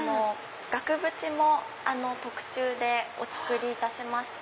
額縁も特注でお作りいたしまして。